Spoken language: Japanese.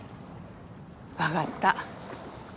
分がった。